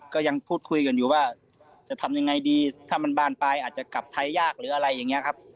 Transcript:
ก็ยังพูดคุยกันอยู่ว่าจะทำยังไงดีถ้ามันบานไปอาจจะกลับไทยยากหรืออะไรอย่างนี้ครับ